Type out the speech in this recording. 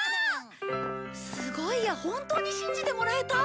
すごいや本当に信じてもらえた！